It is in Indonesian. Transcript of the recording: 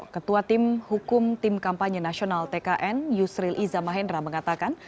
ketua tim hukum tim kampanye nasional tkn yusril iza mahendra mengatakan